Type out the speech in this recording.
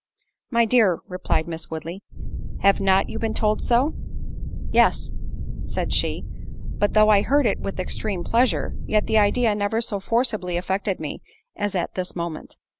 "My dear," replied Miss Woodley, "have not you been told so?" "Yes," said she, "but though I heard it with extreme pleasure, yet the idea never so forcibly affected me as at this moment.